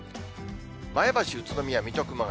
前橋、宇都宮、水戸、熊谷。